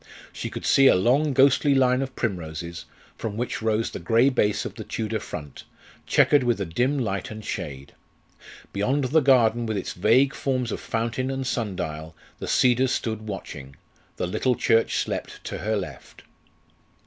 She could see a long ghostly line of primroses, from which rose the grey base of the Tudor front, checkered with a dim light and shade. Beyond the garden, with its vague forms of fountain and sun dial, the cedars stood watching; the little church slept to her left.